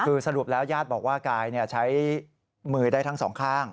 คือสรุปแล้วญาติบอกว่ากายใช้มือได้ทั้งสองข้าง